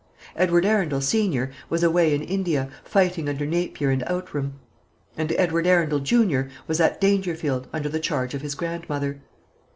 Edward Arundel, senior, was away in India, fighting under Napier and Outram; and Edward Arundel, junior, was at Dangerfield, under the charge of his grandmother.